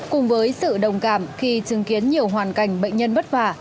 cùng với sự đồng cảm khi chứng kiến nhiều hoàn cảnh bệnh nhân bất vả